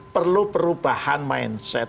perlu perubahan mindset